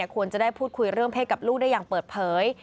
ควรจะได้พูดคุยเรื่องเพศกับลูกได้อย่างเปิดเผย